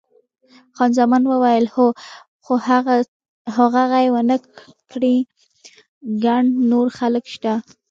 خان زمان وویل، هو، خو که هغه یې ونه کړي ګڼ نور خلک شته.